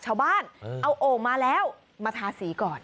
ชาวบ้านเอาโอ่งมาแล้วมาทาสีก่อน